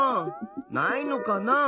ないのかな？